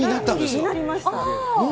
になりました。